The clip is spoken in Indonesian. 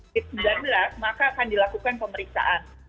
pada saat sembilan belas maka akan dilakukan pemeriksaan